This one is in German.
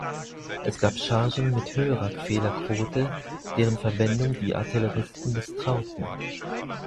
Es gab Chargen mit höherer Fehlerquote, deren Verwendung die Artilleristen misstrauten.